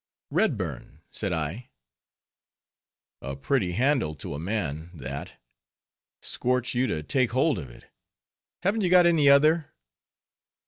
"Redburn," said I. "A pretty handle to a man, that; scorch you to take hold of it; haven't you got any other?"